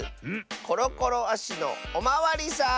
コロコロあしのおまわりさん」。